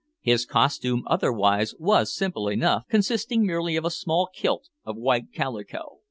His costume otherwise was simple enough, consisting merely of a small kilt of white calico.